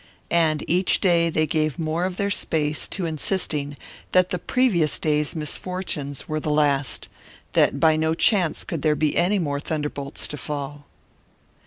And each day they gave more of their space to insisting that the previous day's misfortunes were the last that by no chance could there be any more thunderbolts to fall.